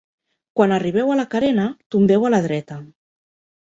Quan arribareu a la carena, tombeu a la dreta.